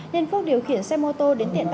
nên phước điều khiển xe mô tô đến tiện tàu